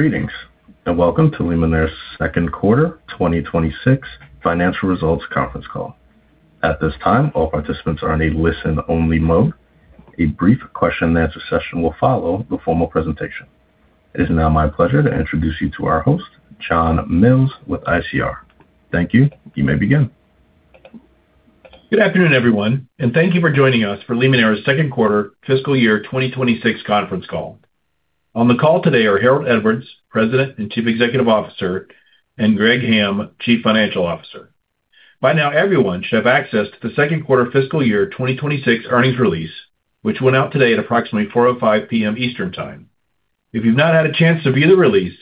Greetings, and welcome to Limoneira's second quarter 2026 financial results conference call. At this time, all participants are in a listen-only mode. A brief question-and-answer session will follow the formal presentation. It is now my pleasure to introduce you to our host, John Mills with ICR. Thank you. You may begin. Good afternoon, everyone, and thank you for joining us for Limoneira's second quarter fiscal year 2026 conference call. On the call today are Harold Edwards, President and Chief Executive Officer, and Greg Hamm, Chief Financial Officer. By now, everyone should have access to the second quarter fiscal year 2026 earnings release, which went out today at approximately 4:05 P.M. Eastern Time. If you've not had a chance to view the release,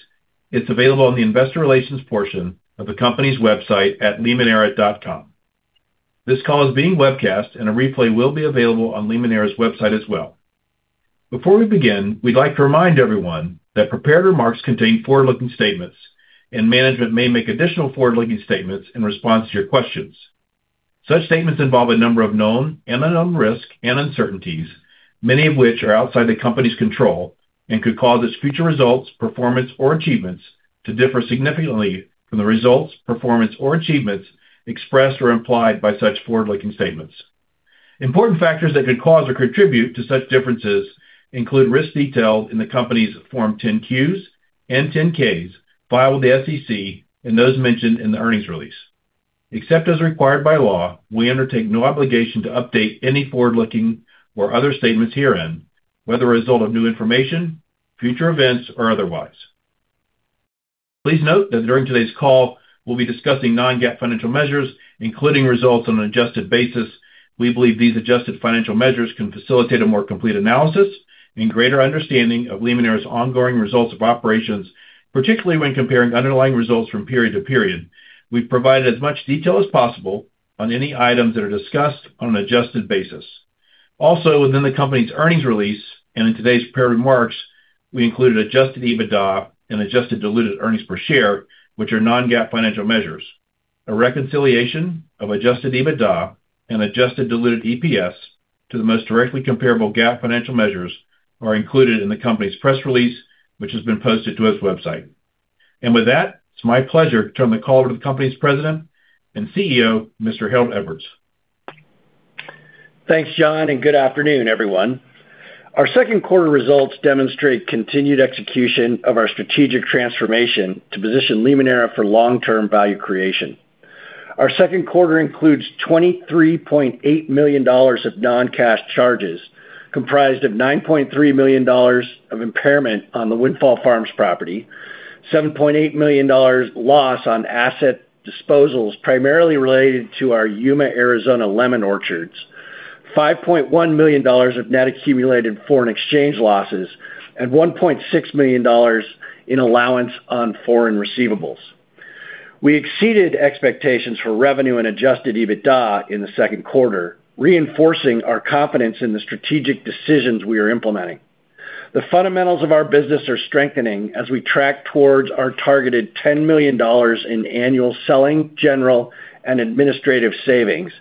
it's available on the investor relations portion of the company's website at limoneira.com. This call is being webcast, and a replay will be available on Limoneira's website as well. Before we begin, we'd like to remind everyone that prepared remarks contain forward-looking statements, and management may make additional forward-looking statements in response to your questions. Such statements involve a number of known and unknown risks and uncertainties, many of which are outside the company's control, and could cause its future results, performance, or achievements to differ significantly from the results, performance, or achievements expressed or implied by such forward-looking statements. Important factors that could cause or contribute to such differences include risks detailed in the company's Form 10-Qs and 10-Ks filed with the SEC and those mentioned in the earnings release. Except as required by law, we undertake no obligation to update any forward-looking or other statements herein, whether a result of new information, future events, or otherwise. Please note that during today's call, we'll be discussing non-GAAP financial measures, including results on an adjusted basis. We believe these adjusted financial measures can facilitate a more complete analysis and greater understanding of Limoneira's ongoing results of operations, particularly when comparing underlying results from period to period. We've provided as much detail as possible on any items that are discussed on an adjusted basis. Also, within the company's earnings release and in today's prepared remarks, we included Adjusted EBITDA and adjusted diluted earnings per share, which are non-GAAP financial measures. A reconciliation of Adjusted EBITDA and adjusted diluted EPS to the most directly comparable GAAP financial measures are included in the company's press release, which has been posted to its website. With that, it's my pleasure to turn the call over to the company's President and CEO, Mr. Harold Edwards. Thanks, John. Good afternoon, everyone. Our second quarter results demonstrate continued execution of our strategic transformation to position Limoneira for long-term value creation. Our second quarter includes $23.8 million of non-cash charges, comprised of $9.3 million of impairment on the Windfall Farms property, $7.8 million loss on asset disposals, primarily related to our Yuma, Arizona lemon orchards, $5.1 million of net accumulated foreign exchange losses, and $1.6 million in allowance on foreign receivables. We exceeded expectations for revenue and Adjusted EBITDA in the second quarter, reinforcing our confidence in the strategic decisions we are implementing. The fundamentals of our business are strengthening as we track towards our targeted $10 million in annual selling, general, and administrative savings,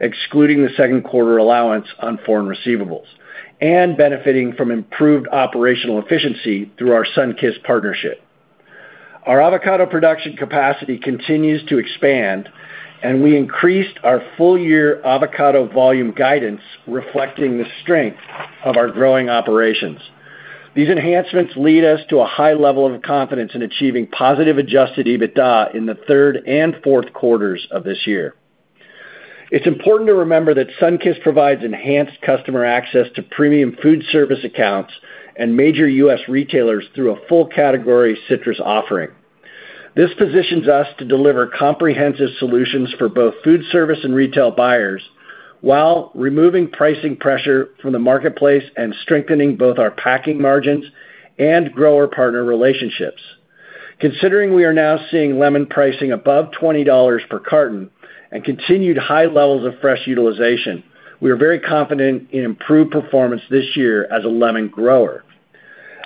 excluding the second quarter allowance on foreign receivables, and benefiting from improved operational efficiency through our Sunkist partnership. Our avocado production capacity continues to expand. We increased our full-year avocado volume guidance reflecting the strength of our growing operations. These enhancements lead us to a high level of confidence in achieving positive Adjusted EBITDA in the third and fourth quarters of this year. It's important to remember that Sunkist provides enhanced customer access to premium food service accounts and major U.S. retailers through a full category citrus offering. This positions us to deliver comprehensive solutions for both food service and retail buyers while removing pricing pressure from the marketplace and strengthening both our packing margins and grower partner relationships. Considering we are now seeing lemon pricing above $20 per carton and continued high levels of fresh utilization, we are very confident in improved performance this year as a lemon grower.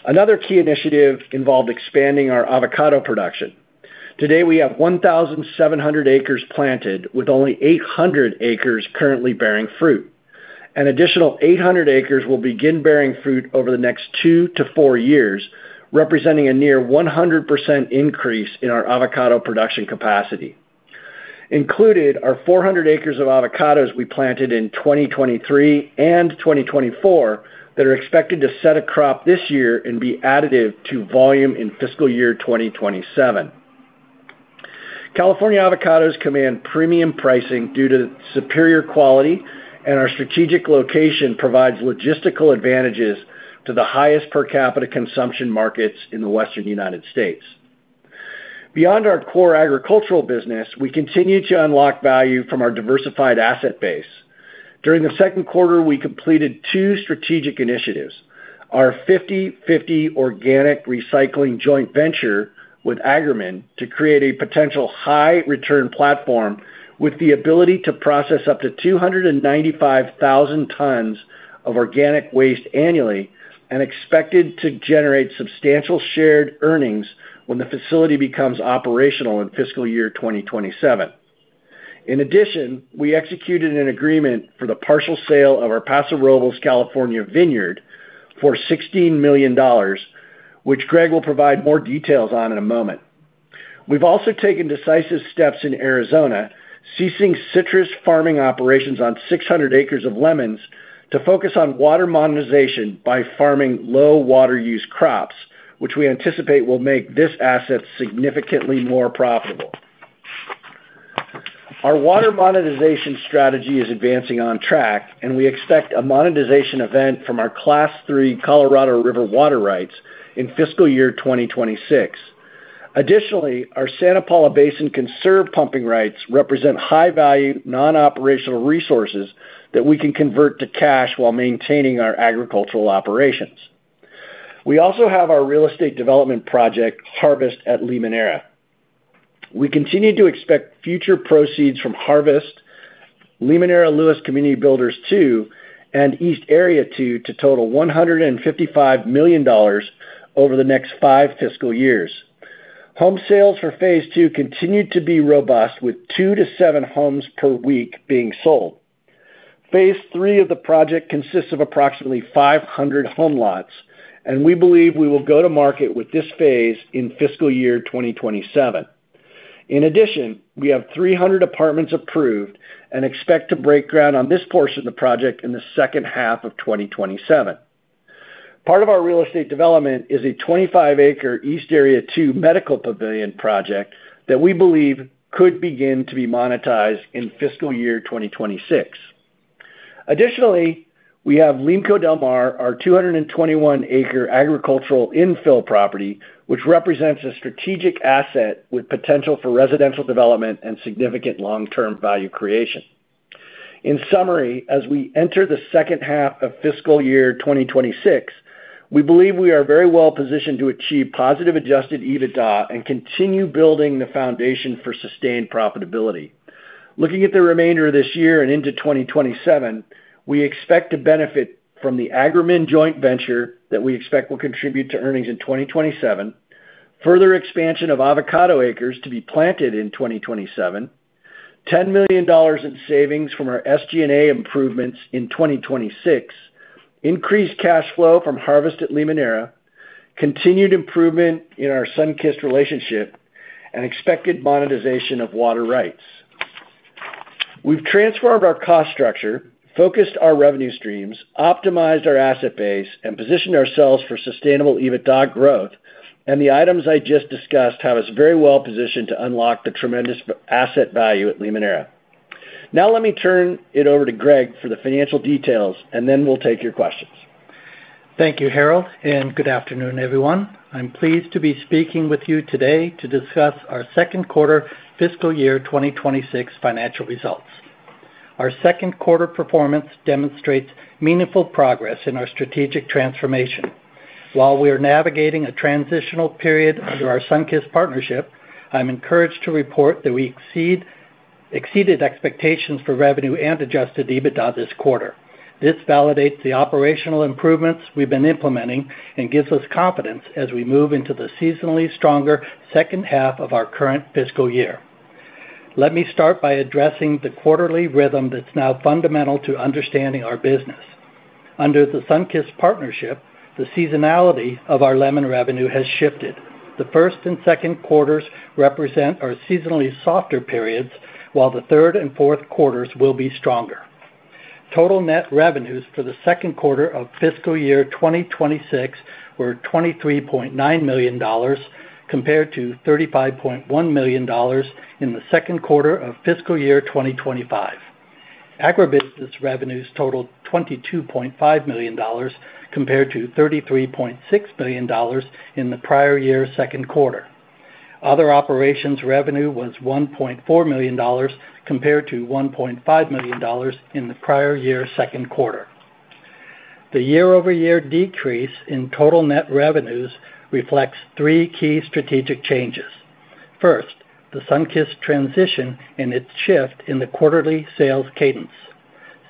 Another key initiative involved expanding our avocado production. Today, we have 1,700 acres planted, with only 800 acres currently bearing fruit. An additional 800 acres will begin bearing fruit over the next two to four years, representing a near 100% increase in our avocado production capacity. Included are 400 acres of avocados we planted in 2023 and 2024 that are expected to set a crop this year and be additive to volume in fiscal year 2027. California avocados command premium pricing due to superior quality, and our strategic location provides logistical advantages to the highest per capita consumption markets in the Western U.S. Beyond our core agricultural business, we continue to unlock value from our diversified asset base. During the second quarter, we completed two strategic initiatives. Our 50/50 organic recycling joint venture with Agromin to create a potential high-return platform with the ability to process up to 295,000 tons of organic waste annually and expected to generate substantial shared earnings when the facility becomes operational in fiscal year 2027. In addition, we executed an agreement for the partial sale of our Paso Robles, California vineyard for $16 million, which Greg will provide more details on in a moment. We've also taken decisive steps in Arizona, ceasing citrus farming operations on 600 acres of lemons to focus on water monetization by farming low water use crops, which we anticipate will make this asset significantly more profitable. Our water monetization strategy is advancing on track, and we expect a monetization event from our Class III Colorado River water rights in fiscal year 2026. Additionally, our Santa Paula Basin conserve pumping rights represent high-value non-operational resources that we can convert to cash while maintaining our agricultural operations. We also have our real estate development project, Harvest at Limoneira. We continue to expect future proceeds from Harvest, Limoneira Lewis Community Builders II, and East Area 2 to total $155 million over the next five fiscal years. Home sales for Phase 2 continued to be robust, with two to seven homes per week being sold. Phase 3 of the project consists of approximately 500 home lots, and we believe we will go to market with this phase in fiscal year 2027. In addition, we have 300 apartments approved and expect to break ground on this portion of the project in the second half of 2027. Part of our real estate development is a 25-acre East Area 2 medical pavilion project that we believe could begin to be monetized in fiscal year 2026. Additionally, we have Limco Del Mar, our 221-acre agricultural infill property, which represents a strategic asset with potential for residential development and significant long-term value creation. In summary, as we enter the second half of fiscal year 2026, we believe we are very well positioned to achieve positive Adjusted EBITDA and continue building the foundation for sustained profitability. Looking at the remainder of this year and into 2027, we expect to benefit from the Agromin joint venture that we expect will contribute to earnings in 2027, further expansion of avocado acres to be planted in 2027, $10 million in savings from our SG&A improvements in 2026, increased cash flow from Harvest at Limoneira, continued improvement in our Sunkist relationship, and expected monetization of water rights. We've transformed our cost structure, focused our revenue streams, optimized our asset base, and positioned ourselves for sustainable EBITDA growth, and the items I just discussed have us very well positioned to unlock the tremendous asset value at Limoneira. Now let me turn it over to Greg for the financial details, and then we'll take your questions. Thank you, Harold, and good afternoon, everyone. I'm pleased to be speaking with you today to discuss our second quarter fiscal year 2026 financial results. Our second quarter performance demonstrates meaningful progress in our strategic transformation. While we are navigating a transitional period under our Sunkist partnership, I'm encouraged to report that we exceeded expectations for revenue and Adjusted EBITDA this quarter. This validates the operational improvements we've been implementing and gives us confidence as we move into the seasonally stronger second half of our current fiscal year. Let me start by addressing the quarterly rhythm that's now fundamental to understanding our business. Under the Sunkist partnership, the seasonality of our lemon revenue has shifted. The first and second quarters represent our seasonally softer periods, while the third and fourth quarters will be stronger. Total net revenues for the second quarter of fiscal year 2026 were $23.9 million, compared to $35.1 million in the second quarter of fiscal year 2025. AgriBusiness revenues totaled $22.5 million, compared to $33.6 million in the prior year second quarter. Other operations revenue was $1.4 million compared to $1.5 million in the prior year second quarter. The year-over-year decrease in total net revenues reflects three key strategic changes. First, the Sunkist transition and its shift in the quarterly sales cadence.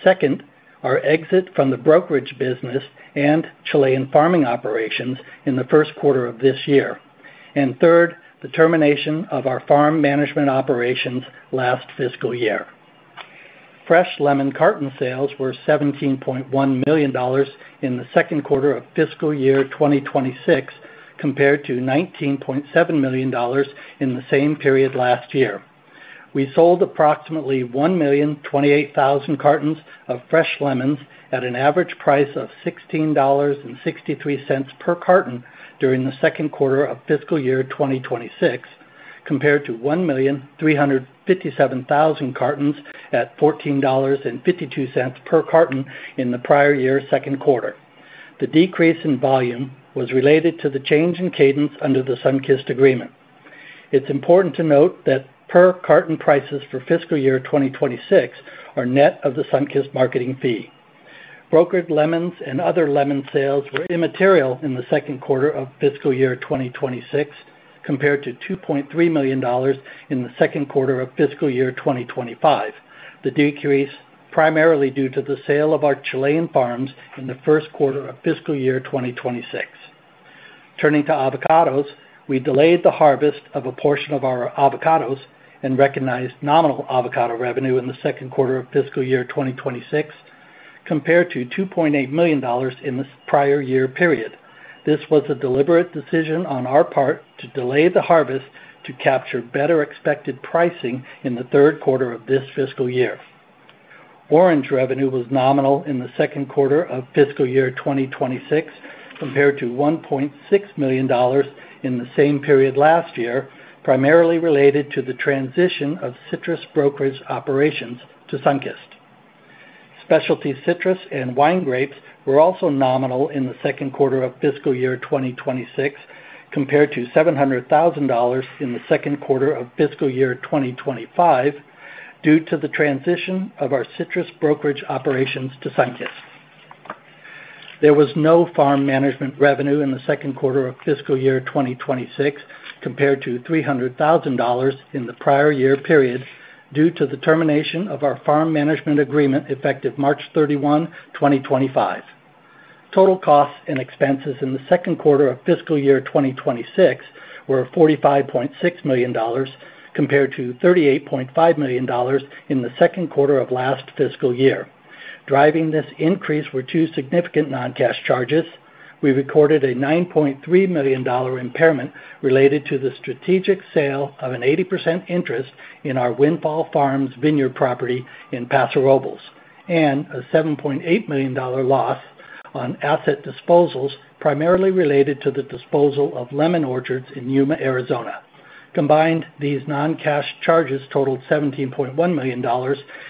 Second, our exit from the brokerage business and Chilean farming operations in the first quarter of this year. Third, the termination of our farm management operations last fiscal year. Fresh lemon carton sales were $17.1 million in the second quarter of fiscal year 2026, compared to $19.7 million in the same period last year. We sold approximately 1,028,000 cartons of fresh lemons at an average price of $16.63 per carton during the second quarter of fiscal year 2026, compared to 1,357,000 cartons at $14.52 per carton in the prior year second quarter. The decrease in volume was related to the change in cadence under the Sunkist agreement. It's important to note that per carton prices for fiscal year 2026 are net of the Sunkist marketing fee. Brokered lemons and other lemon sales were immaterial in the second quarter of fiscal year 2026 compared to $2.3 million in the second quarter of fiscal year 2025. The decrease primarily due to the sale of our Chilean farms in the first quarter of fiscal year 2026. Turning to avocados, we delayed the harvest of a portion of our avocados and recognized nominal avocado revenue in the second quarter of fiscal year 2026, compared to $2.8 million in this prior year period. This was a deliberate decision on our part to delay the harvest to capture better expected pricing in the third quarter of this fiscal year. Orange revenue was nominal in the second quarter of fiscal year 2026, compared to $1.6 million in the same period last year, primarily related to the transition of citrus brokerage operations to Sunkist. Specialty citrus and wine grapes were also nominal in the second quarter of fiscal year 2026, compared to $700,000 in the second quarter of fiscal year 2025, due to the transition of our citrus brokerage operations to Sunkist. There was no farm management revenue in the second quarter of fiscal year 2026, compared to $300,000 in the prior year period, due to the termination of our farm management agreement effective March 31, 2025. Total costs and expenses in the second quarter of fiscal year 2026 were $45.6 million, compared to $38.5 million in the second quarter of last fiscal year. Driving this increase were two significant non-cash charges. We recorded a $9.3 million impairment related to the strategic sale of an 80% interest in our Windfall Farms vineyard property in Paso Robles, and a $7.8 million loss on asset disposals, primarily related to the disposal of lemon orchards in Yuma, Arizona. Combined, these non-cash charges totaled $17.1 million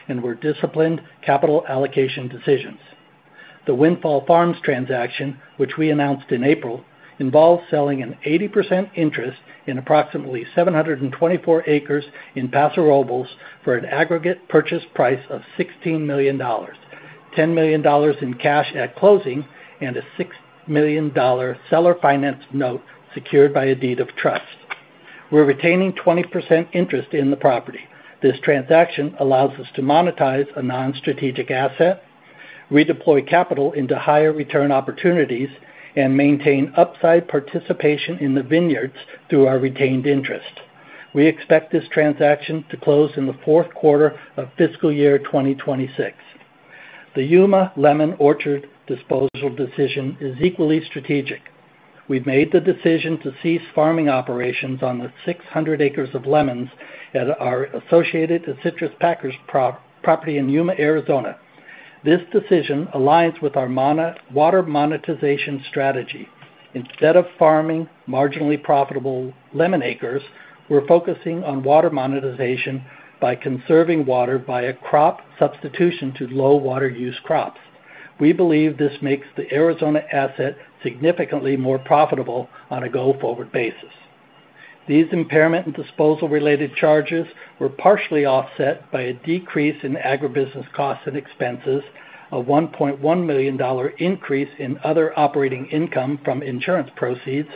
and were disciplined capital allocation decisions. The Windfall Farms transaction, which we announced in April, involves selling an 80% interest in approximately 724 acres in Paso Robles for an aggregate purchase price of $16 million, $10 million in cash at closing, and a $6 million seller finance note secured by a deed of trust. We're retaining 20% interest in the property. This transaction allows us to monetize a non-strategic asset, redeploy capital into higher return opportunities, and maintain upside participation in the vineyards through our retained interest. We expect this transaction to close in the fourth quarter of FY 2026. The Yuma Lemon Orchard disposal decision is equally strategic. We've made the decision to cease farming operations on the 600 acres of lemons that are Associated Citrus Packers' property in Yuma, Arizona. This decision aligns with our water monetization strategy. Instead of farming marginally profitable lemon acres, we're focusing on water monetization by conserving water by a crop substitution to low water use crops. We believe this makes the Arizona asset significantly more profitable on a go-forward basis. These impairment and disposal related charges were partially offset by a decrease in agribusiness costs and expenses, a $1.1 million increase in other operating income from insurance proceeds,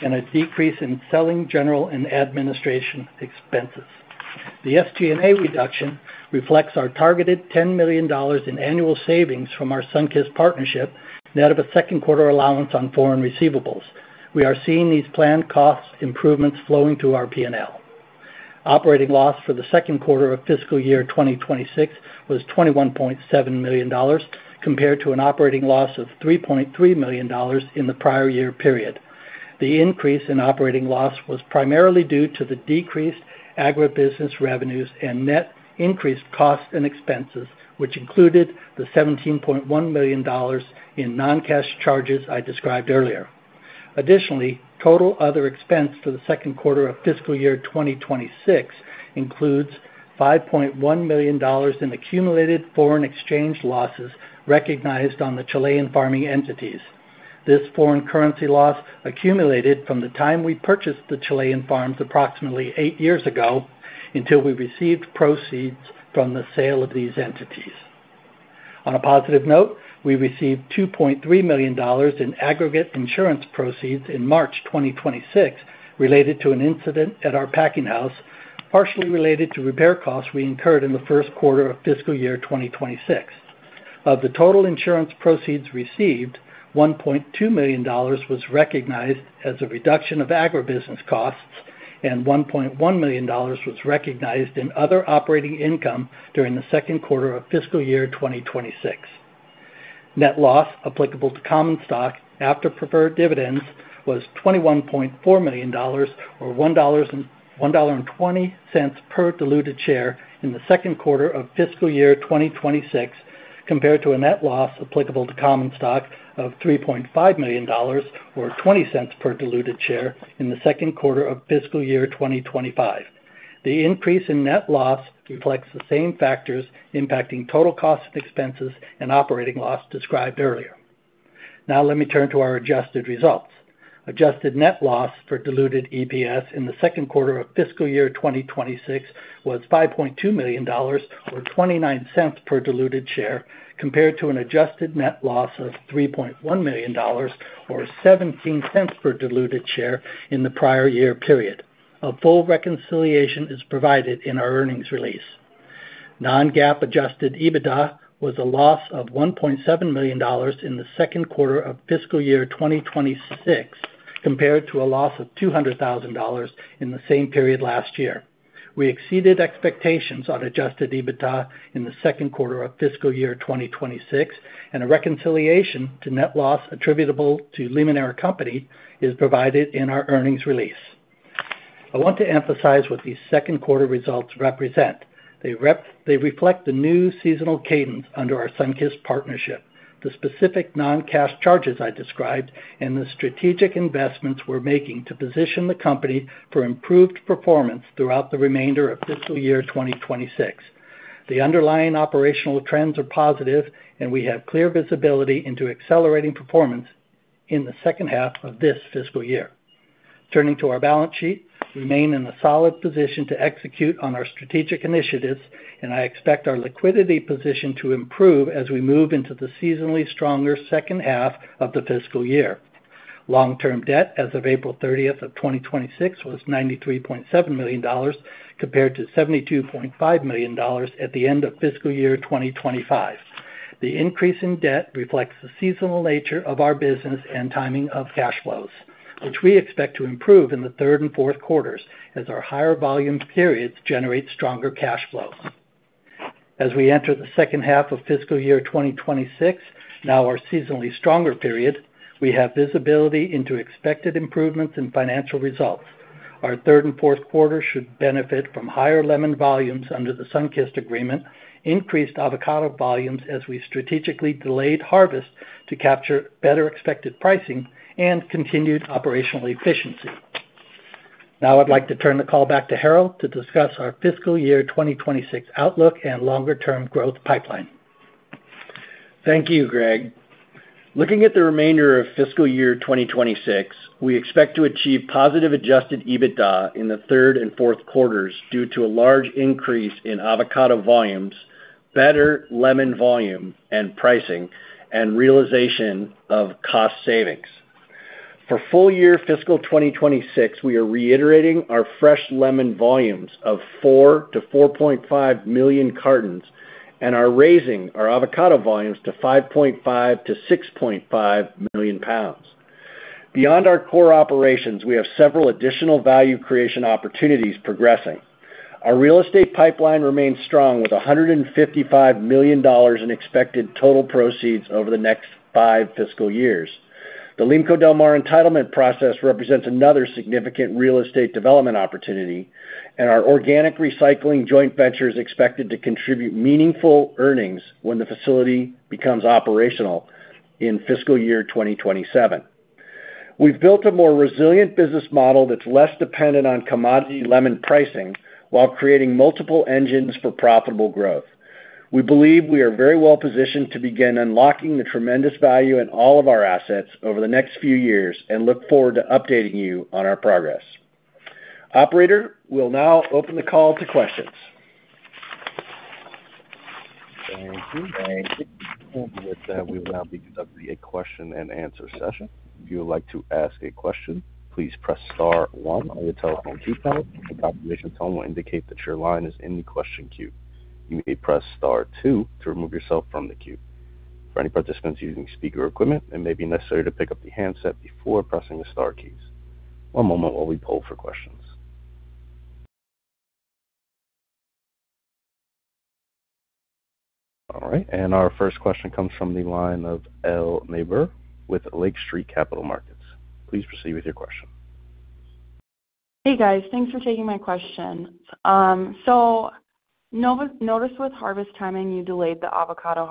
and a decrease in selling, general, and administration expenses. The SG&A reduction reflects our targeted $10 million in annual savings from our Sunkist partnership net of a second quarter allowance on foreign receivables. We are seeing these planned cost improvements flowing through our P&L. Operating loss for the second quarter of FY 2026 was $21.7 million, compared to an operating loss of $3.3 million in the prior year period. The increase in operating loss was primarily due to the decreased agribusiness revenues and net increased costs and expenses, which included the $17.1 million in non-cash charges I described earlier. Additionally, total other expense for the second quarter of FY 2026 includes $5.1 million in accumulated foreign exchange losses recognized on the Chilean farming entities. This foreign currency loss accumulated from the time we purchased the Chilean farms approximately eight years ago until we received proceeds from the sale of these entities. On a positive note, we received $2.3 million in aggregate insurance proceeds in March 2026 related to an incident at our packing house, partially related to repair costs we incurred in the first quarter of FY 2026. Of the total insurance proceeds received, $1.2 million was recognized as a reduction of agribusiness costs, and $1.1 million was recognized in other operating income during the second quarter of FY 2026. Net loss applicable to common stock after preferred dividends was $21.4 million or $1.20 per diluted share in the second quarter of FY 2026, compared to a net loss applicable to common stock of $3.5 million or $0.20 per diluted share in the second quarter of FY 2025. The increase in net loss reflects the same factors impacting total costs and expenses and operating loss described earlier. Let me turn to our adjusted results. Adjusted net loss for diluted EPS in the second quarter of FY 2026 was $5.2 million or $0.29 per diluted share, compared to an adjusted net loss of $3.1 million or $0.17 per diluted share in the prior year period. A full reconciliation is provided in our earnings release. Non-GAAP Adjusted EBITDA was a loss of $1.7 million in the second quarter of FY 2026, compared to a loss of $200,000 in the same period last year. We exceeded expectations on Adjusted EBITDA in the second quarter of FY 2026, and a reconciliation to net loss attributable to Limoneira Company is provided in our earnings release. I want to emphasize what these second quarter results represent. They reflect the new seasonal cadence under our Sunkist partnership, the specific non-cash charges I described, and the strategic investments we're making to position the company for improved performance throughout the remainder of FY 2026. The underlying operational trends are positive, and we have clear visibility into accelerating performance in the second half of this fiscal year. Turning to our balance sheet. We remain in a solid position to execute on our strategic initiatives, and I expect our liquidity position to improve as we move into the seasonally stronger second half of the fiscal year. Long-term debt as of April 30, 2026 was $93.7 million, compared to $72.5 million at the end of FY 2025. The increase in debt reflects the seasonal nature of our business and timing of cash flows, which we expect to improve in the third and fourth quarters as our higher volume periods generate stronger cash flow. As we enter the second half of FY 2026, now our seasonally stronger period, we have visibility into expected improvements in financial results. Our third and fourth quarter should benefit from higher lemon volumes under the Sunkist agreement, increased avocado volumes as we strategically delayed harvest to capture better expected pricing, and continued operational efficiency. Now I'd like to turn the call back to Harold to discuss our FY 2026 outlook and longer-term growth pipeline. Thank you, Greg. Looking at the remainder of FY 2026, we expect to achieve positive Adjusted EBITDA in the third and fourth quarters due to a large increase in avocado volumes, better lemon volume and pricing, and realization of cost savings. For full year FY 2026, we are reiterating our fresh lemon volumes of 4 million-4.5 million cartons and are raising our avocado volumes to 5.5 million-6.5 million pounds. Beyond our core operations, we have several additional value creation opportunities progressing. Our real estate pipeline remains strong with $155 million in expected total proceeds over the next five fiscal years. The Limco Del Mar entitlement process represents another significant real estate development opportunity, and our organic recycling joint venture is expected to contribute meaningful earnings when the facility becomes operational in FY 2027. We've built a more resilient business model that's less dependent on commodity lemon pricing while creating multiple engines for profitable growth. We believe we are very well positioned to begin unlocking the tremendous value in all of our assets over the next few years and look forward to updating you on our progress. Operator, we'll now open the call to questions. Thank you. With that, we will now be conducting a question and answer session. If you would like to ask a question, please press star one on your telephone keypad. A confirmation tone will indicate that your line is in the question queue. You may press star two to remove yourself from the queue. For any participants using speaker equipment, it may be necessary to pick up the handset before pressing the star keys. One moment while we poll for questions. All right, our first question comes from the line of Elle Niebuhr with Lake Street Capital Markets. Please proceed with your question. Hey, guys. Thanks for taking my question. Notice with harvest timing, you delayed the avocado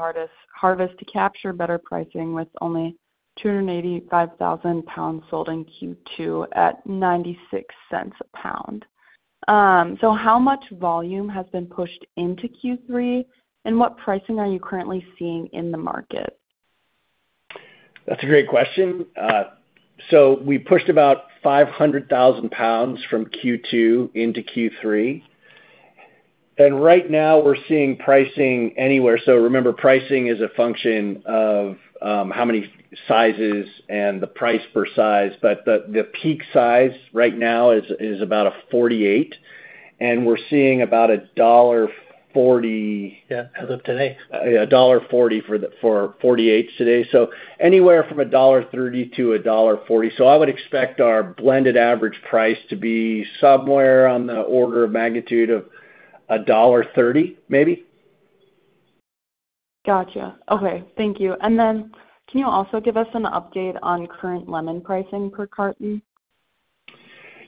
harvest to capture better pricing with only 285,000 pounds sold in Q2 at $0.96 a pound. How much volume has been pushed into Q3, and what pricing are you currently seeing in the market? That's a great question. We pushed about 500,000 pounds from Q2 into Q3. Right now we're seeing pricing anywhere. Remember, pricing is a function of how many sizes and the price per size. The peak size right now is about a 48 avocado, and we're seeing about a $1.40 As of today. $1.40 for 48s avocados today. Anywhere from $1.30 to $1.40. I would expect our blended average price to be somewhere on the order of magnitude of $1.30 maybe. Gotcha. Okay. Thank you. Can you also give us an update on current lemon pricing per carton?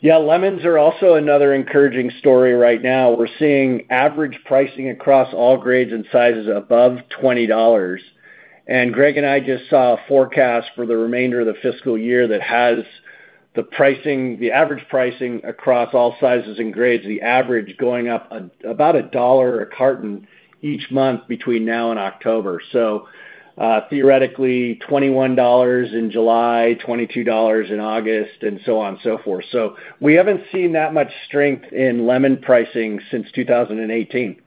Lemons are also another encouraging story right now. We're seeing average pricing across all grades and sizes above $20. Greg and I just saw a forecast for the remainder of the fiscal year that has the average pricing across all sizes and grades, the average going up about $1 a carton each month between now and October. Theoretically $21 in July, $22 in August, and so on and so forth. We haven't seen that much strength in lemon pricing since 2018.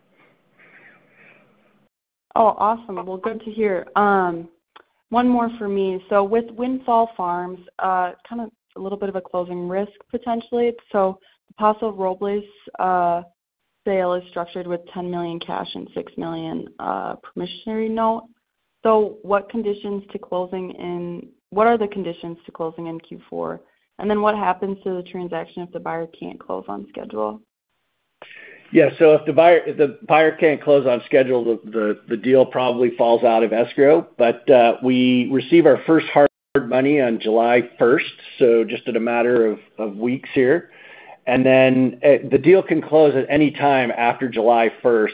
Oh, awesome. Well, good to hear. One more for me. With Windfall Farms, it's a little bit of a closing risk potentially. Paso Robles sale is structured with $10 million cash and $6 million promissory note. What are the conditions to closing in Q4? What happens to the transaction if the buyer can't close on schedule? Yeah. If the buyer can't close on schedule, the deal probably falls out of escrow. We receive our first hard money on July 1st, just in a matter of weeks here. The deal can close at any time after July 1st.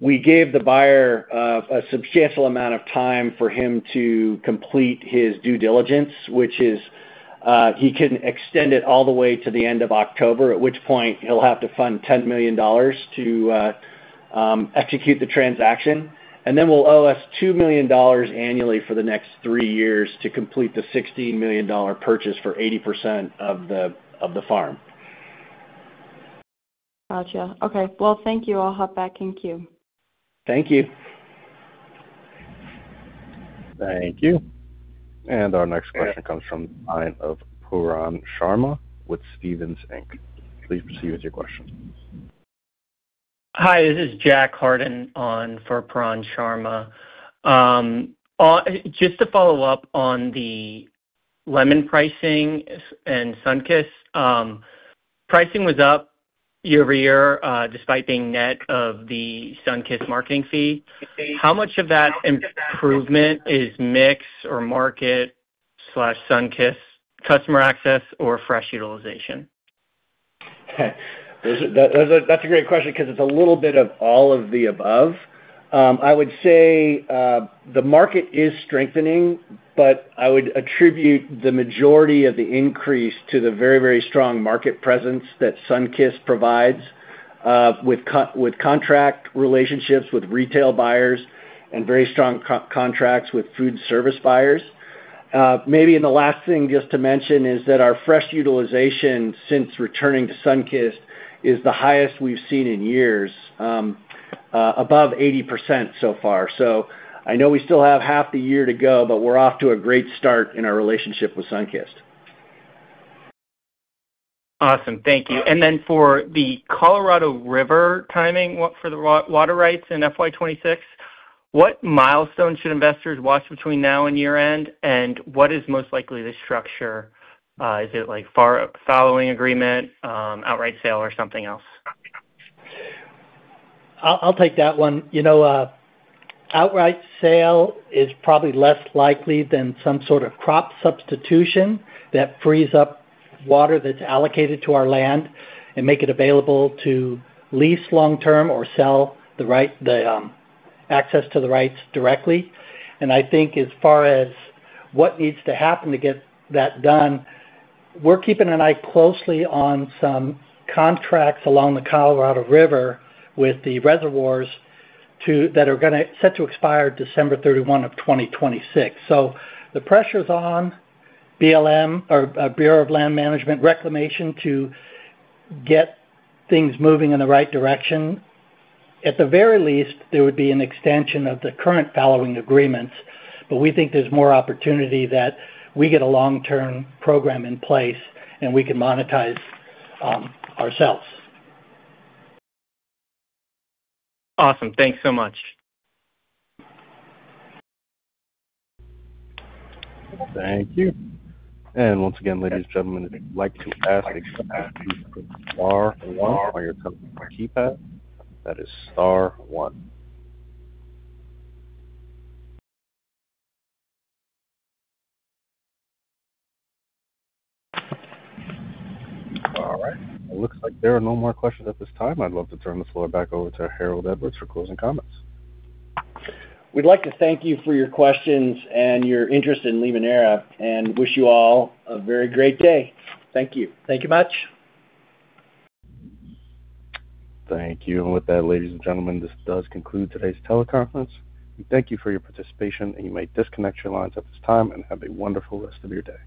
We gave the buyer a substantial amount of time for him to complete his due diligence, which is, he can extend it all the way to the end of October, at which point he'll have to fund $10 million to execute the transaction. Will owe us $2 million annually for the next three years to complete the $16 million purchase for 80% of the farm. Got you. Okay. Well, thank you. I'll hop back in queue. Thank you. Thank you. Our next question comes from the line of Pooran Sharma with Stephens Inc. Please proceed with your question. Hi, this is Jack Hardin on for Pooran Sharma. Just to follow up on the lemon pricing and Sunkist. Pricing was up year-over-year, despite being net of the Sunkist marketing fee. How much of that improvement is mix or market/Sunkist customer access or fresh utilization? That's a great question because it's a little bit of all of the above. I would say the market is strengthening, but I would attribute the majority of the increase to the very, very strong market presence that Sunkist provides, with contract relationships with retail buyers and very strong contracts with food service buyers. Maybe the last thing just to mention is that our fresh utilization since returning to Sunkist is the highest we've seen in years, above 80% so far. I know we still have half the year to go, but we're off to a great start in our relationship with Sunkist. Awesome. Thank you. Then for the Colorado River timing for the water rights in FY 2026, what milestones should investors watch between now and year-end, and what is most likely the structure? Is it following agreement, outright sale, or something else? I'll take that one. Outright sale is probably less likely than some sort of crop substitution that frees up water that's allocated to our land and make it available to lease long-term or sell the access to the rights directly. I think as far as what needs to happen to get that done, we're keeping an eye closely on some contracts along the Colorado River with the reservoirs that are set to expire December 31 of 2026. The pressure's on BLM or Bureau of Land Management reclamation to get things moving in the right direction. At the very least, there would be an extension of the current following agreements. We think there's more opportunity that we get a long-term program in place and we can monetize ourselves. Awesome. Thanks so much. Thank you. Once again, ladies and gentlemen, if you'd like to ask a question, please press star one on your telephone keypad. That is star one. All right. It looks like there are no more questions at this time. I'd love to turn this floor back over to Harold Edwards for closing comments. We'd like to thank you for your questions and your interest in Limoneira, and wish you all a very great day. Thank you. Thank you much. Thank you. With that, ladies and gentlemen, this does conclude today's teleconference. We thank you for your participation, and you may disconnect your lines at this time and have a wonderful rest of your day.